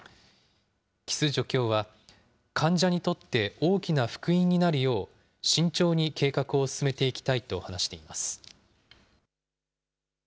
木須助教は、患者にとって大きな福音になるよう、慎重に計画を進めていきたいと話しています。